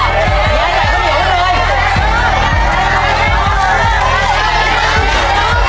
ชุดที่๔ข้าวเหนียว๒ห้อชุดที่๔